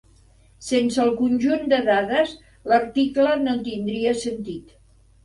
Sense el conjunt de dades, l'article no tindria sentit.